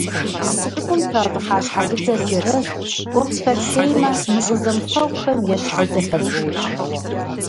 Псы цӀыкӀум тращӀыхьа щхьэлыдзэр джэрэзт ткӀуэпсхэр лъеймэ мыщӀэ зэмыфэгъухэм ещхьу зэхэцӀуукӀыу.